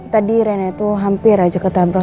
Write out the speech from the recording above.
tadi rena itu hampir aja ketabrak